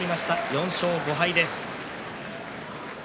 ４勝５敗です。